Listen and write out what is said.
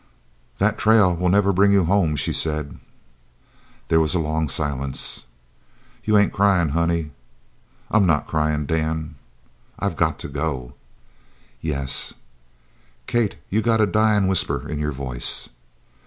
"That trail will never bring you home," she said. There was a long silence. "You ain't cryin', honey?" "I'm not crying, Dan." "I got to go." "Yes." "Kate, you got a dyin' whisper in your voice."